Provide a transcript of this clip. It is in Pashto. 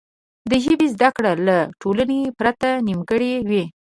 د ژبې زده کړه له ټولنې پرته نیمګړې وي.